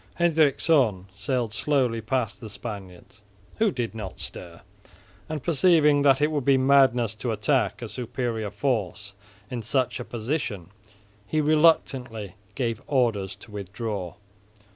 Hendrikszoon sailed slowly past the Spaniards, who did not stir, and perceiving that it would be madness to attack a superior force in such a position he reluctantly gave orders to withdraw.